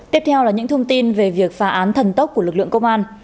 tiếp theo là những thông tin về việc phá án thần tốc của lực lượng công an